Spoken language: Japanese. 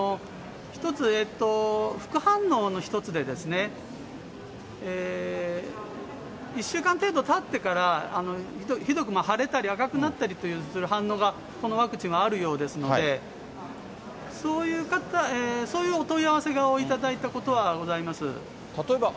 １つ、副反応の一つで、１週間程度たってから、ひどく腫れたり、赤くなったりという反応が、このワクチンはあるようですので、そういう方、そういうお問い合わせを頂いたことはございます。